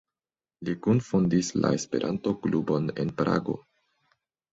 Li kunfondis la Esperanto-klubon en Prago.